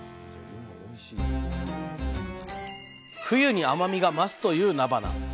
冬に甘みが増すというなばな。